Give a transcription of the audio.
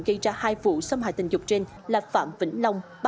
gây ra hai vụ xâm hại tình dục trên là phạm vĩnh long